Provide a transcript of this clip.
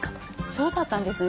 そうだったんですね。